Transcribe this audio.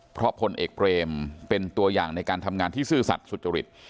เพราะพลเอกเบรมเป็นตัวอย่างในการทำงานที่ซื่อสัตว์สุจริต